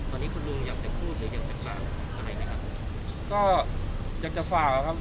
ตอนนี้คุณลุงอยากจะพูดหรืออยากจะฝากอะไรนะครับ